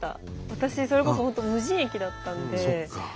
私それこそ本当無人駅だったんで。